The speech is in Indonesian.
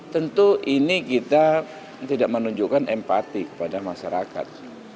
tentu ini kita tidak menunjukkan empati kepada masyarakat